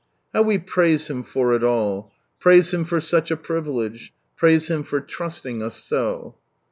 love ; How we praise Hira for it all ! Praise Him for such a privilege. Praise Him for trusting us so.